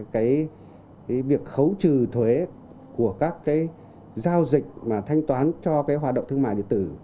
cái việc khấu trừ thuế của các cái giao dịch mà thanh toán cho cái hoạt động thương mại điện tử